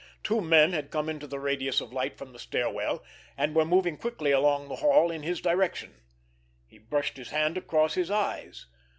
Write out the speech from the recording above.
Two men had come into the radius of light from the stair well, and were moving quickly along the hall in his direction. He brushed his hand across his eyes.